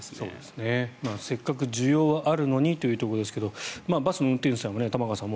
せっかく需要はあるのにというところですがバスの運転手さんも玉川さん